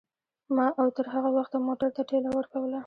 ما او تر هغه وخته موټر ته ټېله ورکوله.